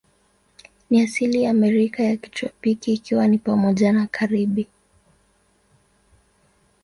Ni asili ya Amerika ya kitropiki, ikiwa ni pamoja na Karibi.